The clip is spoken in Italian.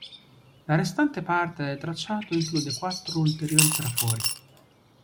La restante parte del tracciato include quattro ulteriori trafori.